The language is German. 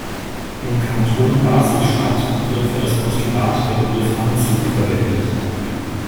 Im Kanton Basel-Stadt wird für das Postulat der Begriff Anzug verwendet.